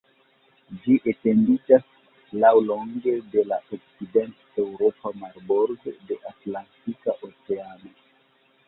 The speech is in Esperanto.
Ĝi etendiĝas laŭlonge de la okcident-eŭropa marbordo de Atlantika Oceano.